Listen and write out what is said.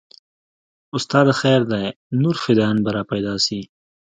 استاده خير دى نور فدايان به راپيدا سي.